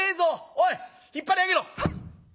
おい引っ張り上げろ！」。